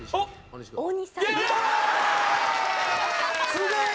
すげえ！